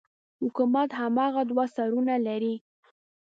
حکومت هماغه دوه سرونه لري.